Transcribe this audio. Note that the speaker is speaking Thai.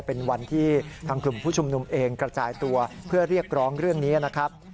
เป็นวันที่ทางกลุ่มผู้ชุมนุมเองกระจายตัวเพื่อเรียกร้องเรื่องนี้นะครับ